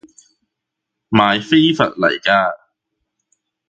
賣飛佛嚟㗎